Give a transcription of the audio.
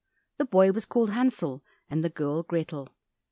The boy was called Hansel and the girl Grethel.